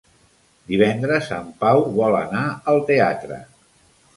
Divendres en Pau vol anar al teatre.